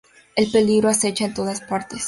El peligro acecha en todas partes.